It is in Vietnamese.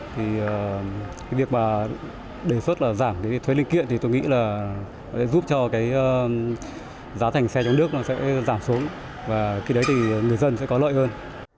thì cái việc mà đề xuất là giảm cái thuế linh kiện thì tôi nghĩ là giúp cho cái giá thành xe trong nước nó sẽ giảm xuống và cái đấy thì người dân sẽ có lợi hơn